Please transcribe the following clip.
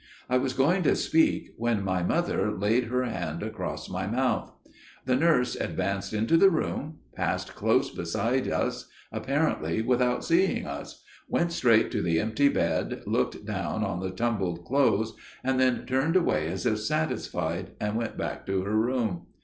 I was going to speak, when my mother laid her hand across my mouth. The nurse advanced into the room, passed close beside us, apparently without seeing us, went straight to the empty bed, looked down on the tumbled clothes, and then turned away as if satisfied, and went back to her room.